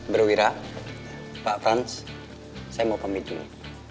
bro wira pak franz saya mau pamit dulu